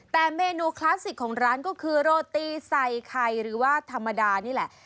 แต่เมนูคลาสสิกของร้านก็คือโรตีใส่ไข่หรือว่าธรรมดานี่แหละ